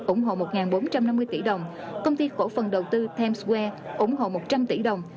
ủng hộ một bốn trăm năm mươi tỷ đồng công ty khổ phần đầu tư times square ủng hộ một trăm linh tỷ đồng